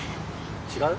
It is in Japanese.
違う？